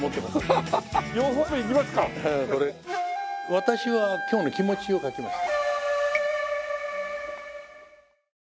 私は今日の気持ちを書きました。